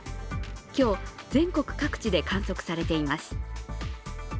今日、全国各地で観測されています。